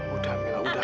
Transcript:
udah mila udah